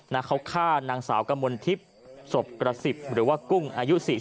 นะเขาฆ่านางสาวกมลทิพย์ศพกระ๑๐หรือว่ากุ้งอายุ๔๐